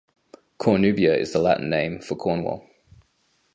Cornubia is the Latin name for Cornwall.